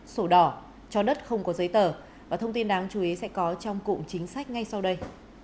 sổ đỏ cho đất không có giấy tờ và thông tin đáng chú ý sẽ có trong cụm chính sách ngay sau đây